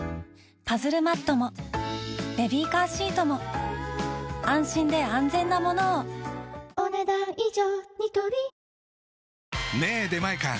パズルマットもベビーカーシートも安心で安全なものをお、ねだん以上。